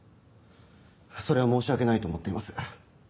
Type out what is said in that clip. それは申し訳ないと思っています。